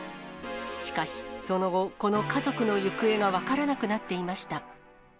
しかし、その後、この家族の行方が分からなくなっていました。